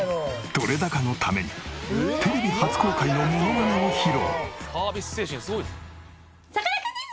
撮れ高のためにテレビ初公開のモノマネを披露。